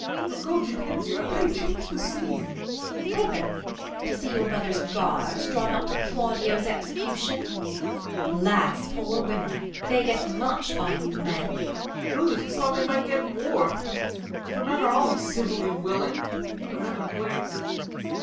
Your coach attends you : I pray change the scene. Beat. Whither 1 to see your brother's guards drawn up For Claudio's execution 1 'las poor women They get much by you men. Ben. Truly, 'tis thought they might get more ! For men are always civilly willing. Though ever blam'd.